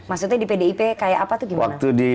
maksudnya di pdip kayak apa tuh gimana